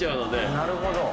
なるほど。